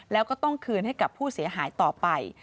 แล้วก็ต้องคืนให้กับผู้เสียหายต่อไป